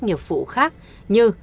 nhiệp vụ khác như